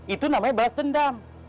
itu namanya balas dendam